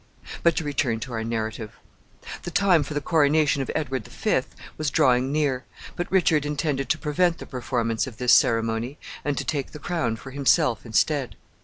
But to return to our narrative. The time for the coronation of Edward the Fifth was drawing near, but Richard intended to prevent the performance of this ceremony, and to take the crown for himself instead.